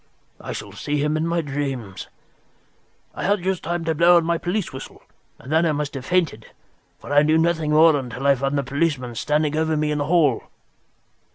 I shall see him in my dreams. I had just time to blow on my police whistle, and then I must have fainted, for I knew nothing more until I found the policeman standing over me in the hall."